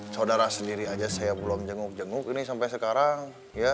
saudara sendiri aja saya belum jenguk jenguk ini sampai sekarang ya